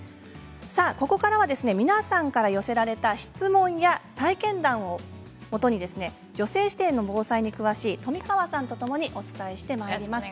ここからは皆さんから寄せられた質問や体験談をもとに女性視点の防災に詳しい冨川さんとともにお伝えしていきます。